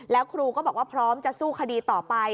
แล้วครูก็บอกว่าพร้อมจะสู้คดีต่อไป